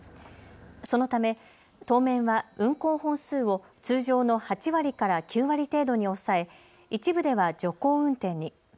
そのため、当面は、運行本数を通常の８割から９割程度に抑え、一部では徐行運転に。